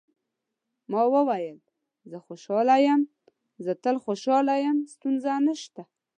ما وویل: زه خوشاله یم، زه تل خوشاله یم، ستونزه نشته.